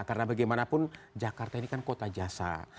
karena bagaimanapun jakarta ini kan kota jasa